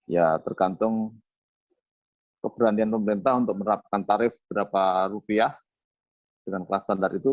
ya tergantung keberanian pemerintah untuk menerapkan tarif berapa rupiah terkait dengan kelas standar itu